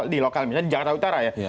di lokal misalnya di jakarta utara ya